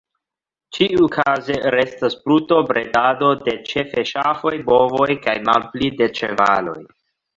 Ĉiukaze restas brutobredado de ĉefe ŝafoj, bovoj, kaj malpli de ĉevaloj.